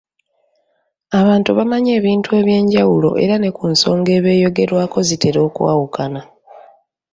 Abantu bamanyi ebintu eby’enjawulo era ne ku nsonga eba eyogerwako zitera okwawukana.